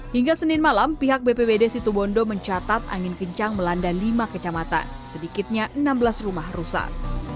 hingga senin malam pihak bpbd situbondo mencatat angin kencang melanda lima kecamatan sedikitnya enam belas rumah rusak